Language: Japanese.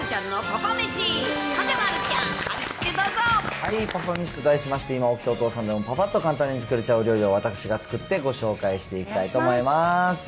パパめしと題しまして、今起きたお父さんでもパパッと簡単に作れちゃうお料理を私が作ってご紹介していきたいと思います。